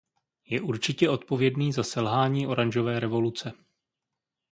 Je určitě odpovědný za selhání oranžové revoluce.